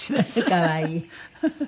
可愛い。